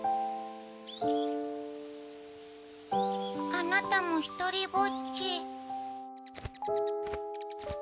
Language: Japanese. アナタもひとりぼっち。